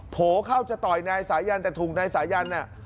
โผล่เข้าจะต่อยนายสายันแต่ถูกนายสายันน่ะ